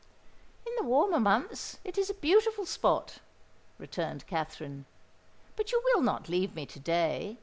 "In the warmer months it is a beautiful spot," returned Katherine. "But you will not leave me to day?